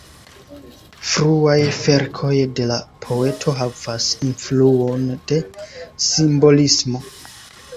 Fruaj verkoj de la poeto havas influon de simbolismo.